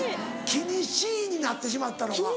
気にしいになってしまったのか。